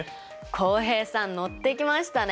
浩平さんのってきましたね！